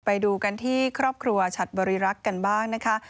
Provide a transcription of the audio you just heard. ไปดูกันที่ครอบครัวฉัดบริรักษ์กันบ้างนะคะ